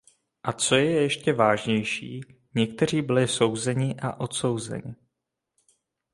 A co je ještě vážnější, někteří byli souzeni a odsouzeni.